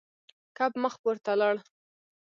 کب مخ پورته لاړ.